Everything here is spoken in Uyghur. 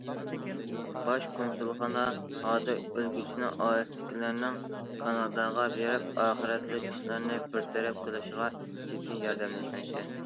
باش كونسۇلخانا ھازىر ئۆلگۈچىنىڭ ئائىلىسىدىكىلەرنىڭ كاناداغا بېرىپ، ئاخىرەتلىك ئىشلارنى بىر تەرەپ قىلىشىغا جىددىي ياردەملەشمەكتە.